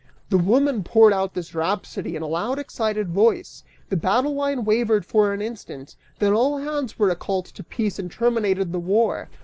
The woman poured out this rhapsody in a loud excited voice, the battle line wavered for an instant, then all hands were recalled to peace and terminated the war.